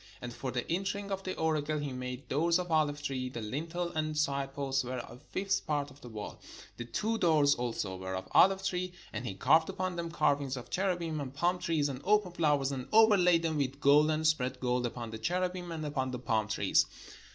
And for the entering of the oracle he made doors of ohve tree : the lintel and side posts were a fifth part of the wall. The two doors also were of oHve tree ; and he carved upon them carvings of cherubim and palm trees and open flowers, and overlaid them with gold, and spread gold upon the cherubim, and upon the palm trees.